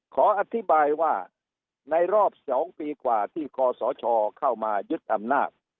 ขออธิบายว่าในรอบ๒ปีกว่าที่คอสชเข้ามายึดอำนาจ